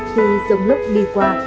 khi dòng lốc đi qua